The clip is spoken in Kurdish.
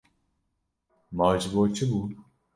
Ma ji bo çi bû?